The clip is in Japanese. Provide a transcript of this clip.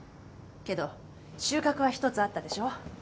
けど収穫は一つあったでしょ。